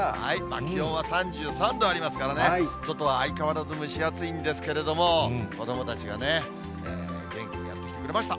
気温は３３度ありますからね、外は相変わらず蒸し暑いんですけれども、子どもたちがね、元気にやって来てくれました。